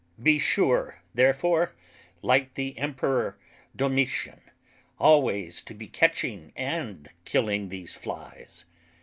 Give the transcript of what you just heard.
Be sure therefore (like the Emperour Domitian) alwayes to be catching and killing these Flies.